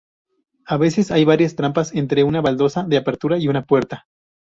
A veces, hay varias trampas entre una baldosa de apertura y una puerta.